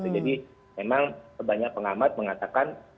jadi memang banyak pengamat mengatakan